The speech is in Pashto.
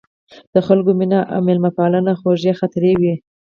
د خلکو مینه او میلمه پالنه خوږې خاطرې وې.